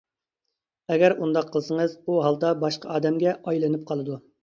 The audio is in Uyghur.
ئەگەر ئۇنداق قىلسىڭىز، ئۇ ھالدا باشقا ئادەمگە ئايلىنىپ قالىدۇ.